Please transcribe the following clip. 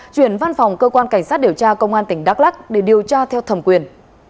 chuyển văn phòng cơ quan cảnh sát điều tra công an tỉnh đắk lắc để điều tra theo thẩm quyền